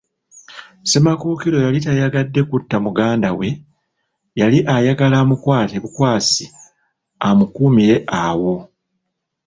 Ssemakookiro yali tayagadde kutta muganda we, yali ayagala amukwate bukwasi akuumirwe awo.